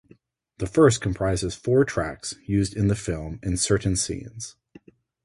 The first comprises four tracks used in the film in certain scenes.